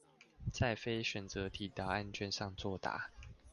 在非選擇題答案卷上作答